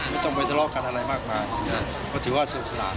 ไม่ต้องไปทะเลาะกันอะไรมากมายเพราะถือว่าสนุกสนาน